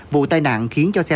vụ tai nạn khiến cho xe tải